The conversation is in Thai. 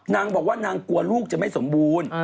นางบอกว่านางกลัวลูกจะไม่สมบูรณ์